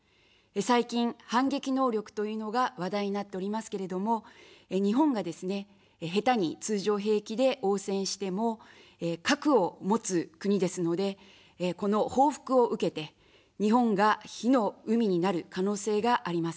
最近、反撃能力というのが話題になっておりますけれども、日本がですね、下手に通常兵器で応戦しても、核を持つ国ですので、この報復を受けて、日本が火の海になる可能性があります。